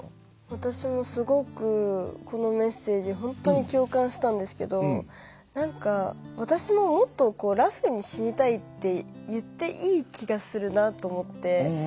私もすごく、このメッセージ本当に共感したんですけど私も、もっとラフに死にたいって言っていい気がするなと思って。